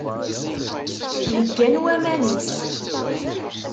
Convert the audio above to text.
Heggan waman-is.